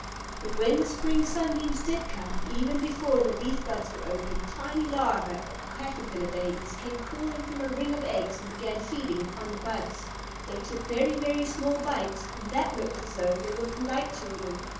But when the spring sunbeams did come! Even before the leaf buds were open, tiny Larvæ, or Caterpillar babies, came crawling from the ring of eggs and began feeding upon the buds. They took very, very small bites, and that looked as though they were polite children.